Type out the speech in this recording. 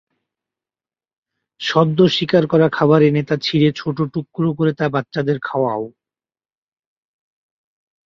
সদ্য শিকার করা খাবার এনে তা ছিঁড়ে ছোট টুকরা করে তা বাচ্চাদের খাওয়ায়।